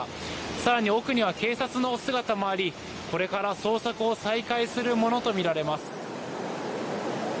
更に奥には、警察の姿もありこれから捜索を再開するものとみられます。